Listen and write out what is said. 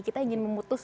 kita ingin memutus